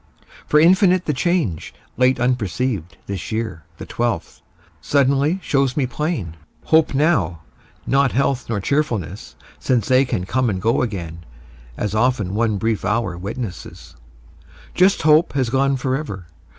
For infinite The change, late unperceived, this year, The twelfth, suddenly, shows me plain. Hope now, not health nor cheerfulness, Since they can come and go again, As often one brief hour witnesses, Just hope has gone forever.